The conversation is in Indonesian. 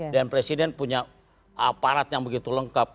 dan presiden punya aparat yang begitu lengkap